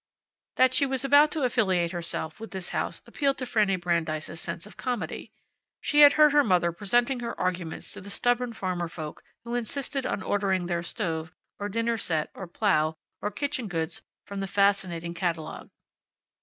That she was about to affiliate herself with this house appealed to Fanny Brandeis's sense of comedy. She had heard her mother presenting her arguments to the stubborn farmer folk who insisted on ordering their stove, or dinner set, or plow, or kitchen goods from the fascinating catalogue.